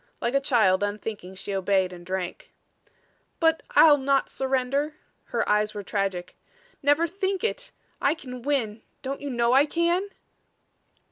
Like a child, unthinking, she obeyed and drank. "But I'll not surrender." Her eyes were tragic. "Never think it! I can win don't you know I can?"